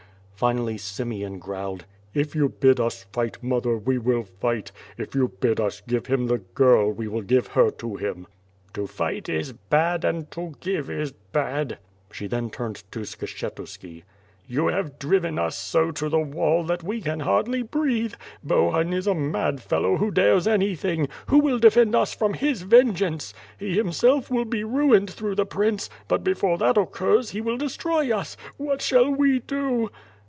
Finally Simeon growled: 'If you bid us fight, mother, we will fight; if you bid us give him the girl, we will give her to him." "To fight is bad and to give is bad." She then turned to Skshetuski: '*You have driven us so to the wall that we can hardly breathe. Bohun is a mad fellow who dares anything. Who will defend us from his vengeance? He himself will be ruined through the prince, but before that occurs he will destroy us. What shall we do?"